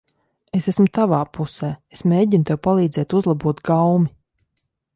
Es esmu tavā pusē. Es mēģinu tev palīdzēt uzlabot gaumi.